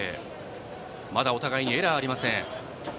まだお互いにエラーがありません。